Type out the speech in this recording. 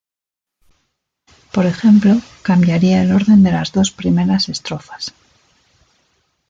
Por ejemplo, cambiaría el orden de las dos primeras estrofas.